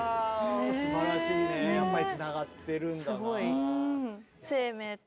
あすばらしいねやっぱりつながってるんだな。